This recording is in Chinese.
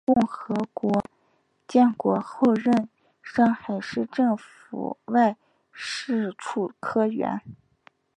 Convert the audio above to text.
中华人民共和国建国后任上海市政府外事处科员。